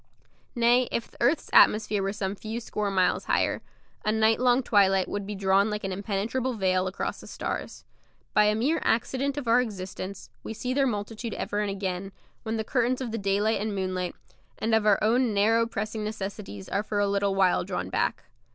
Nay, if the earth's atmosphere were some few score miles higher, a night long twilight would be drawn like an impenetrable veil across the stars. By a mere accident of our existence we see their multitude ever and again, when the curtains of the daylight and moonlight, and of our own narrow pressing necessities, are for a little while drawn back.